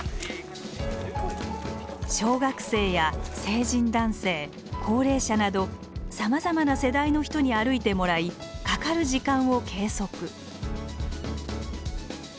小学生や成人男性高齢者などさまざまな世代の人に歩いてもらいかかる時間を計測。